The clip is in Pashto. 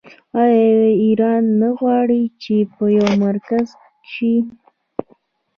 آیا ایران نه غواړي چې یو مرکز شي؟